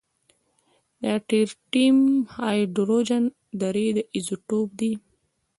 د ټریټیم هایدروجن درې ایزوټوپ دی.